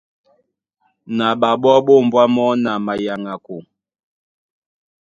Na ɓaɓɔ́ ɓá ombwá mɔ́ na mayaŋako.